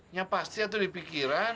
nya pasti itu dipikiran